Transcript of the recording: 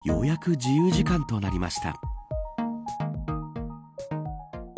午後１０時にようやく自由時間となりました。